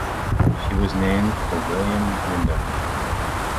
She was named for William Windom.